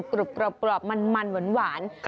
กรุบมันเหมือนหวาน